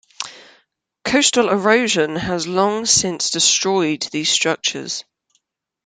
Coastal erosion has long since destroyed these structures.